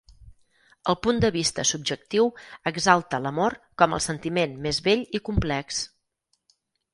El punt de vista subjectiu exalta l'amor com el sentiment més bell i complex.